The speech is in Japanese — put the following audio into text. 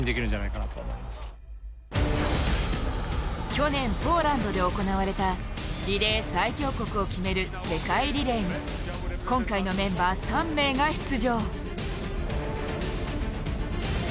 去年、ポーランドで行われたリレー最強国を決める世界リレーに今回のメンバー３名が出場。